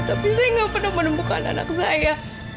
tapi saya nggak pernah menemukan anak saya